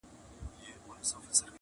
• وايی وژلي مي افغانان دي -